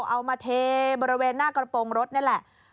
เอามาเทบริเวณหน้ากระโปรงรถนี่แหละ